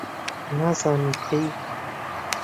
نازانم کەی